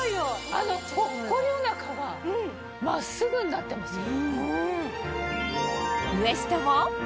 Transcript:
あのぽっこりおなかが真っすぐになってますよ。